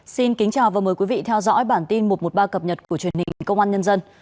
xin kính chào và mời quý vị theo dõi bản tin một trăm một mươi ba cập nhật của truyền hình công an nhân dân